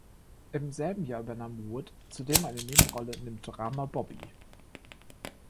Im selben Jahr übernahm Wood zudem eine Nebenrolle in dem Drama "Bobby".